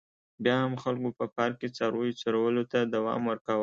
بیا هم خلکو په پارک کې څارویو څرولو ته دوام ورکاوه.